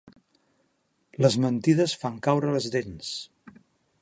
Les mentides fan caure les dents.